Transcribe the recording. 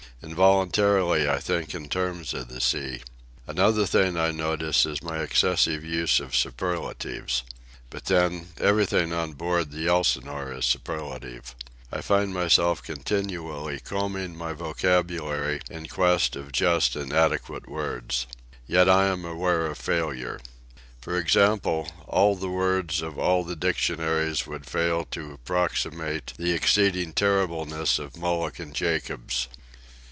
Involuntarily I think in terms of the sea. Another thing I notice is my excessive use of superlatives. But then, everything on board the Elsinore is superlative. I find myself continually combing my vocabulary in quest of just and adequate words. Yet am I aware of failure. For example, all the words of all the dictionaries would fail to approximate the exceeding terribleness of Mulligan Jacobs.